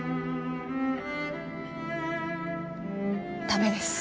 駄目です。